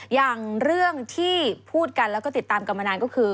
อย่างเรื่องที่พูดกันแล้วก็ติดตามกันมานานก็คือ